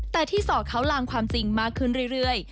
แต่ที่สอกเขาลางความจริงมากขึ้นเรื่อย